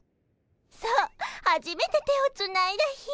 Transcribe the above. そうはじめて手をつないだ日。